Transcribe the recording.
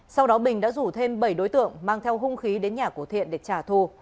sau đó bình đã rủ thêm bảy đối tượng mang theo hung khí đến nhà của thiện để trả thù